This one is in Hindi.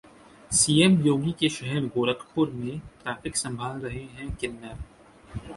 सीएम योगी के शहर गोरखपुर में ट्रैफिक संभाल रहे हैं किन्नर